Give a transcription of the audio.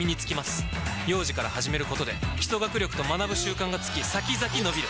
幼児から始めることで基礎学力と学ぶ習慣がつき先々のびる！